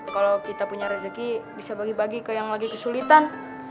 kalau kita punya rezeki bisa bagi bagi ke yang lagi kesulitan